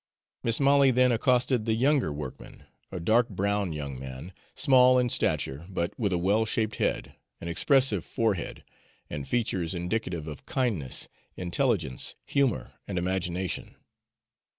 Mis' Molly then accosted the younger workman, a dark brown young man, small in stature, but with a well shaped head, an expressive forehead, and features indicative of kindness, intelligence, humor, and imagination.